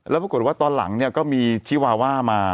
แล้วปรากฏว่าตอนหลังเนี่ยก็มีชิวาว่ามา